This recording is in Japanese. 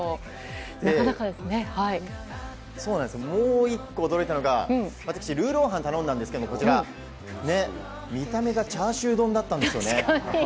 もう１個驚いたのはルーローハンを頼んですが見た目がチャーシュー丼だったんですよね。